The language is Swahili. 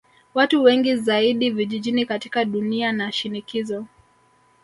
Watu wengi zaidi vijijini katika dunia na shinikizo